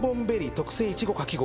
特製いちごかき氷。